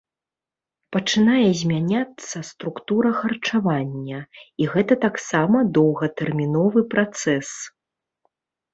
Пачынае змяняцца структура харчавання, і гэта таксама доўгатэрміновы працэс.